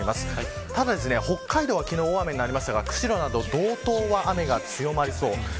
ただ、北海道は昨日大雨になりましたが釧路や道東は雨が強まりそうです。